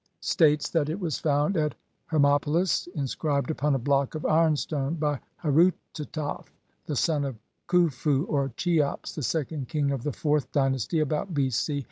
118, 119) states that it was "found" at Hermopolis, inscribed upon a block of ironstone, by Herutataf (the son of Khufu or Cheops, the second king of the IVth dynasty, about B.